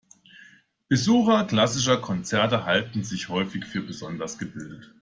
Besucher klassischer Konzerte halten sich häufig für besonders gebildet.